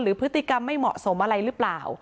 พฤติกรรมไม่เหมาะสมอะไรหรือเปล่า